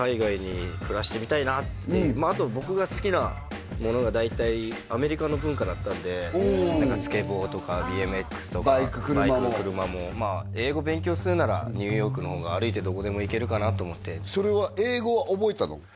あと僕が好きなものが大体アメリカの文化だったんでスケボーとかＢＭＸとかバイク車もバイク車も英語勉強するならニューヨークの方が歩いてどこでも行けるかなと思ってそれは英語は覚えたの？